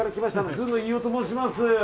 ずん飯尾と申します。